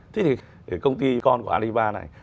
thế thì công ty con của alibaba này